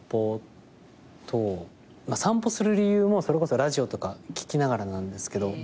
散歩する理由もそれこそラジオとか聴きながらなんですけど。